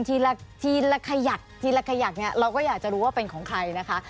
ทีละทีละขยักทีละขยักเนี่ยเราก็อยากจะรู้ว่าเป็นของใครนะคะ